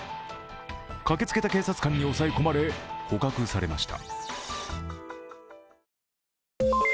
駆けつけた警察官に抑え込まれ捕獲されました。